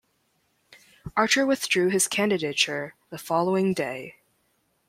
Archer withdrew his candidature the following day.